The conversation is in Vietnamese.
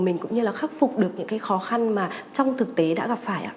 mình cũng như là khắc phục được những cái khó khăn mà trong thực tế đã gặp phải ạ